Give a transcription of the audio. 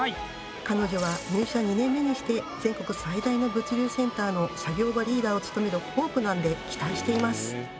彼女は入社２年目にして全国最大の物流センターの作業場リーダーを務めるホープなんで期待しています！